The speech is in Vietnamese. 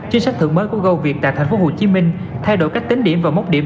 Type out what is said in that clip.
chính sách thưởng mới của goviet tại tp hcm thay đổi cách tính điểm và mốc điểm